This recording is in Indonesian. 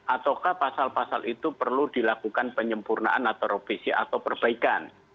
ataukah pasal pasal itu perlu dilakukan penyempurnaan atau revisi atau perbaikan